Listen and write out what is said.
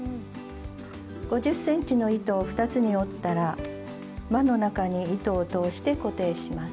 ５０ｃｍの糸を２つに折ったら輪の中に糸を通して固定します。